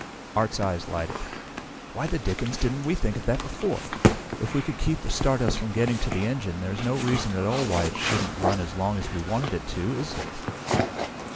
Art's eyes lighted. "Why the dickens didn't we think of that before? If we could keep the stardust from getting to the engine, there's no reason at all why it shouldn't run as long as we wanted it to, is there?"